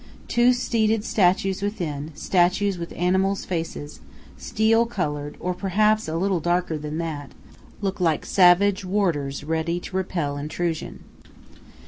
Two seated statues within, statues with animals' faces, steel colored, or perhaps a little darker than that, look like savage warders ready to repel intrusion.